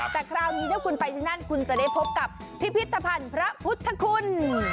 แต่คราวนี้ถ้าคุณไปที่นั่นคุณจะได้พบกับพิพิธภัณฑ์พระพุทธคุณ